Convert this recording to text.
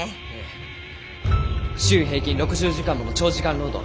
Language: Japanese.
週平均６０時間もの長時間労働。